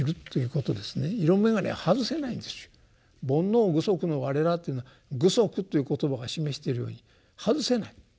「煩悩具足のわれら」というのは具足という言葉が示してるように外せない。